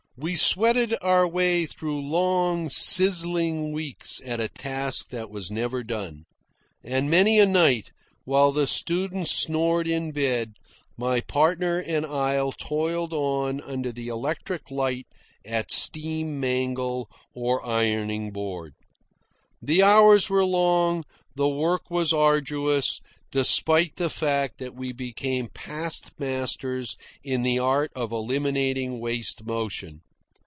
We sweated our way through long sizzling weeks at a task that was never done; and many a night, while the students snored in bed, my partner and I toiled on under the electric light at steam mangle or ironing board. The hours were long, the work was arduous, despite the fact that we became past masters in the art of eliminating waste motion.